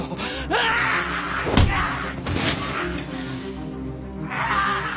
うわーっ！